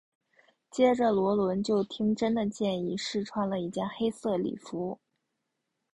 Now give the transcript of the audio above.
接着萝伦就听珍的建议试穿了一件黑色礼服。